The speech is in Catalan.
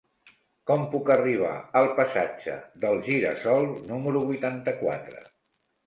Com puc arribar al passatge del Gira-sol número vuitanta-quatre?